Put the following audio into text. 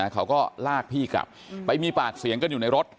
เขาก็ลากพี่กลับไปมีปากเสียงกันอยู่ในรถ